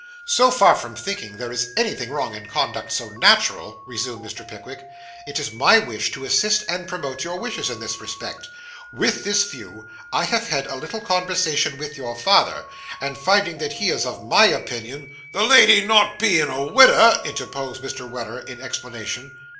'So far from thinking there is anything wrong in conduct so natural,' resumed Mr. Pickwick, 'it is my wish to assist and promote your wishes in this respect. With this view, I have had a little conversation with your father; and finding that he is of my opinion ' 'The lady not bein' a widder,' interposed Mr. Weller in explanation.